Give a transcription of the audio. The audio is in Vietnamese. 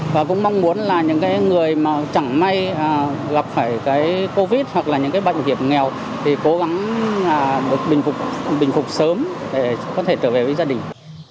và cũng mong muốn là những cái người mà chẳng may gặp phải cái covid hoặc là những cái bệnh hiểm nghèo thì cố gắng bình phục sớm để có thể trở về với gia đình